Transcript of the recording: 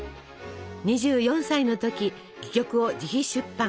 ２４歳の時戯曲を自費出版。